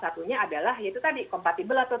satunya adalah ya itu tadi kompatibel atau